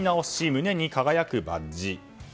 胸に輝くバッジ。